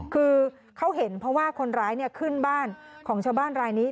คือเขาเห็นเพราะว่าคนร้ายขึ้นบ้านของชาวบ้านรายนี้